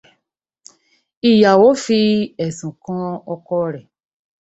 Ìyàwó fi ẹ̀sùn kan ọkọ rẹ̀.